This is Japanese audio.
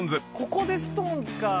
ここでストーンズか。